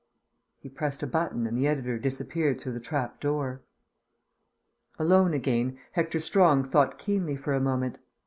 He pressed a button and the editor disappeared through the trap door. Alone again, Hector Strong thought keenly for a moment.